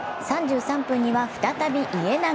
３３分には再び家長。